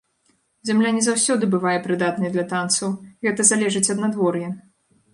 Зямля не заўсёды бывае прыдатнай для танцаў, гэта залежыць ад надвор'я.